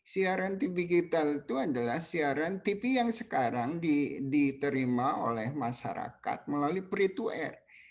siaran tv digital itu adalah siaran tv yang sekarang diterima oleh masyarakat melalui pre to air